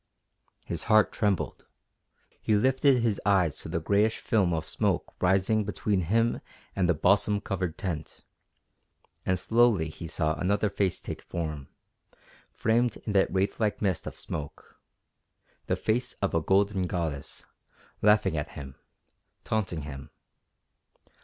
_ His heart trembled. He lifted his eyes to the grayish film of smoke rising between him and the balsam covered tent, and slowly he saw another face take form, framed in that wraith like mist of smoke the face of a golden goddess, laughing at him, taunting him.